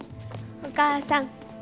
お母さん